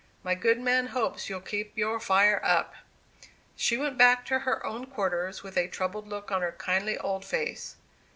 My good man hopes you'll keep your fire up." She went back to her own quarters with a troubled look on her kindly old face.